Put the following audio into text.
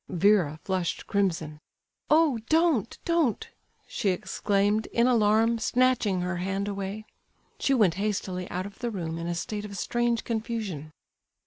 Vera flushed crimson. "Oh, don't, don't!" she exclaimed in alarm, snatching her hand away. She went hastily out of the room in a state of strange confusion.